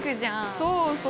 そうそう。